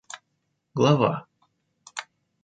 глава